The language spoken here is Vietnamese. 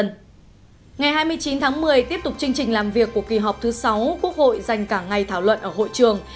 ngày hai mươi chín tháng một mươi tiếp tục chương trình làm việc của kỳ họp thứ sáu quốc hội dành cả ngày thảo luận ở hội trường